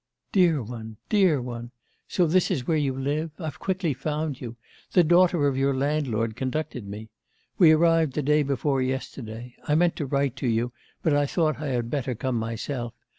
'Dear one! dear one! so this is where you live? I've quickly found you. The daughter of your landlord conducted me. We arrived the day before yesterday. I meant to write to you, but I thought I had better come myself.